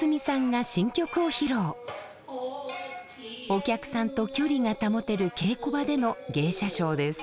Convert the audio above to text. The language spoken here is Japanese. お客さんと距離が保てる稽古場での芸者ショーです。